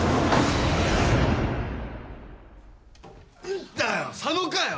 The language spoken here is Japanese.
んだよ佐野かよ。